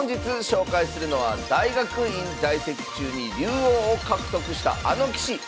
紹介するのは大学院在籍中に竜王を獲得したあの棋士。